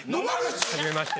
はじめまして。